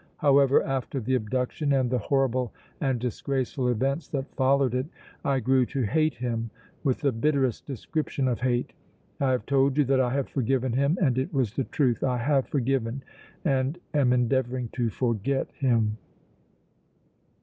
However, after the abduction and the horrible and disgraceful events that followed it, I grew to hate him with the bitterest description of hate! I have told you that I have forgiven him and it was the truth. I have forgiven and am endeavoring to forget him!"